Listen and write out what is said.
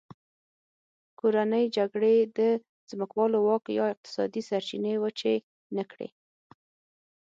کورنۍ جګړې د ځمکوالو واک یا اقتصادي سرچینې وچې نه کړې.